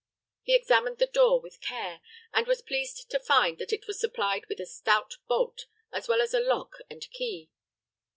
He examined the door with care and was pleased to find that it was supplied with a stout bolt as well as a lock and key.